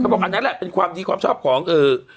บอกอันนั้นแหละเป็นความดีความชอบของเอ่อ